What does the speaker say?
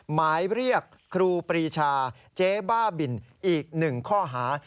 หมายเรียกครูปรีชาเจ๊บ้าบินอีก๑ข้อหา